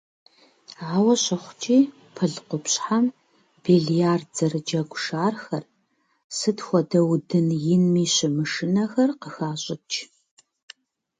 Ауэ щыхъукӀи, пыл къупщхьэм биллиард зэрыджэгу шархэр, сыт хуэдэ удын инми щымышынэхэр, къыхащӀыкӀ.